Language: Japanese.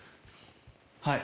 はい。